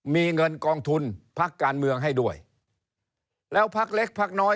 มีเงินกองทุนพักการเมืองให้ด้วยแล้วพักเล็กพักน้อย